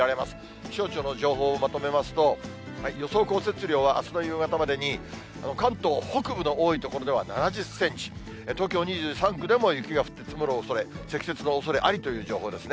気象庁の情報をまとめますと、予想降雪量は、あすの夕方までに、関東北部の多い所では７０センチ、東京２３区でも雪が降って積もるおそれ、積雪のおそれありという情報ですね。